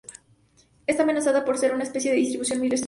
Está amenazada por ser una especie de distribución muy restringida.